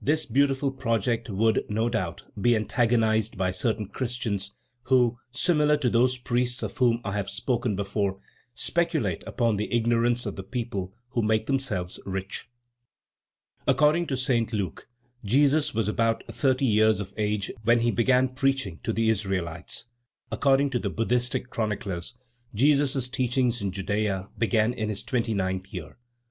this beautiful project would, no doubt, be antagonized by certain Christians who, similar to those priests of whom I have spoken before, speculate upon the ignorance of the people to make themselves rich. According to St. Luke, Jesus was about thirty years of age when he began preaching to the Israelites. According to the Buddhistic chroniclers, Jesus's teachings in Judea began in his twenty ninth year.